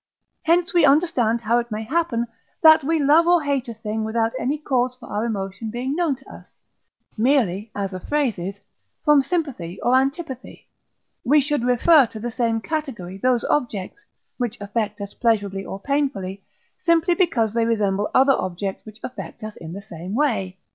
Hence we understand how it may happen, that we love or hate a thing without any cause for our emotion being known to us; merely, as a phrase is, from sympathy or antipathy. We should refer to the same category those objects, which affect us pleasurably or painfully, simply because they resemble other objects which affect us in the same way.